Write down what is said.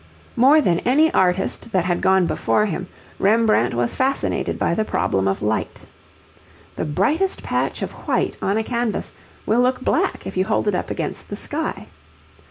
More than any artist that had gone before him, Rembrandt was fascinated by the problem of light. The brightest patch of white on a canvas will look black if you hold it up against the sky.